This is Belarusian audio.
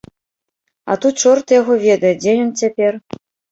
А тут чорт яго ведае, дзе ён цяпер.